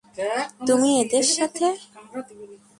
তুমি এদের সাথে?